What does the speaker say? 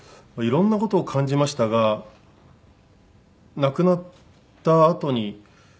いろんな事を感じましたが亡くなったあとに。